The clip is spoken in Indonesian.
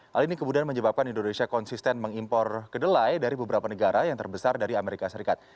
hal ini kemudian menyebabkan indonesia konsisten mengimpor kedelai dari beberapa negara yang terbesar dari amerika serikat